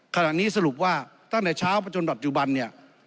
ขณะนี้สรุปว่าตั้งแต่เช้าประชุมดรจบันเนี่ย